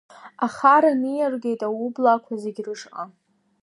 Ахара ниаргеит аублаақуа зегь рышҟа.